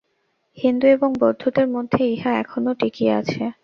হিন্দু এবং বৌদ্ধদের মধ্যে ইহা এখনও টিকিয়া আছে।